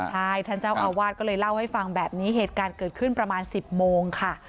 ใช่ท่านเจ้าอาวาสก็เลยเล่าให้ฟังแบบนี้เหตุการณ์เกิดขึ้นประมาณ๑๐โมงค่ะ